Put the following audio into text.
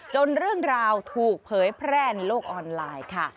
เรื่องราวถูกเผยแพร่ในโลกออนไลน์ค่ะ